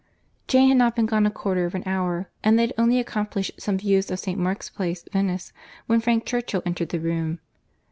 Jane had not been gone a quarter of an hour, and they had only accomplished some views of St. Mark's Place, Venice, when Frank Churchill entered the room.